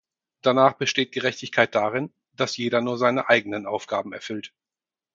Danach besteht Gerechtigkeit darin, dass jeder nur seine eigenen Aufgaben erfüllt.